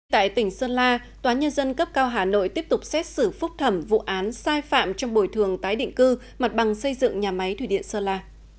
tại tỉnh sơn la tòa nhân dân cấp cao hà nội tiếp tục xét xử phúc thẩm vụ án sai phạm trong bồi thường tái định cư mặt bằng xây dựng nhà máy thủy điện sơn la